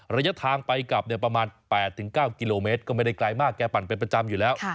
ระยะทางไปกลับประมาณ๘๙กิโลเมตรก็ไม่ได้ไกลมากแกปั่นเป็นประจำอยู่แล้ว